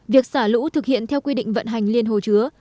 việc xả lũ thực hiện theo quy định vận hành liên hồ chứa